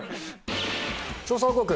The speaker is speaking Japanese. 調査報告。